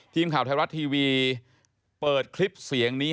ทีมข่าวไทยรัฐทีวีเปิดคลิปเสียงนี้